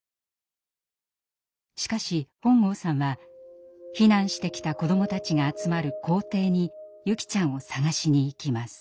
しかし本郷さんは避難してきた子どもたちが集まる校庭に優希ちゃんを捜しに行きます。